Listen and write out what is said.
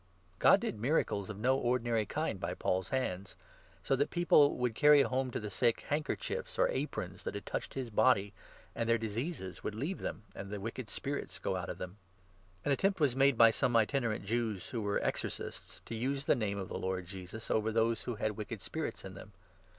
God did miracles of no ordinary kind by Paul's hands ; so that people would carry home to the sick handkerchiefs or aprons that had touched his body, and their diseases would leave them and the wicked spirits go out of them. An 13 attempt was made by some itinerant Jews, who were exorcists, to use the Name of the Lord Jesus over those who had wicked spirits in them.